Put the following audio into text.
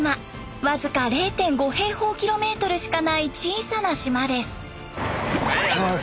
僅か０．５平方キロメートルしかない小さな島です。